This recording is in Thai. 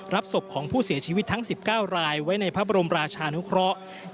ศพของผู้เสียชีวิตทั้ง๑๙รายไว้ในพระบรมราชานุเคราะห์